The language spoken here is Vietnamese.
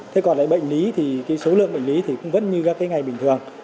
thế còn lại bệnh lý thì số lượng bệnh lý cũng vẫn như ngày bình thường